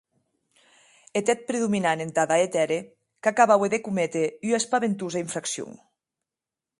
Eth hèt predominant entada eth ère, qu’acabaue de cométer ua espaventosa infraccion.